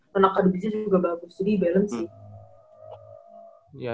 tenaga di bekerja juga bagus jadi balance gitu